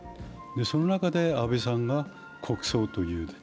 その中で安倍さんが国葬だと。